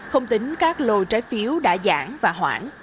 không tính các lô trái phiếu đã giãn và hoãn